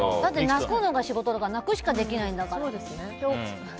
泣くのが仕事だから泣くしかできないんだから。